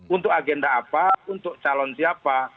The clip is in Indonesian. untuk agenda apa untuk calon siapa